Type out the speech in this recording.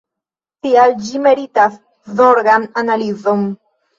Tial ĝi meritas zorgan analizon.